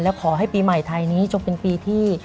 และขอให้ปีใหม่ไทยนี้จงเป็นปีที่